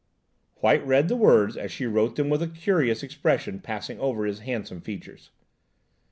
White read the words as she wrote them with a curious expression passing over his handsome features.